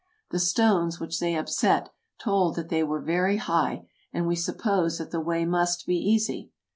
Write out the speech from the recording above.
The stones which they upset told that they were very high, and we supposed that the way must be easy.